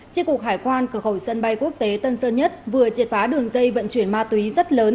tri cục hải quan cửa khẩu sân bay quốc tế tân sơn nhất vừa triệt phá đường dây vận chuyển ma túy rất lớn